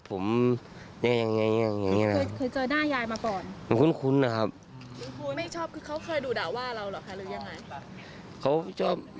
เป็นอย่างนี้อย่างนี้นะครับ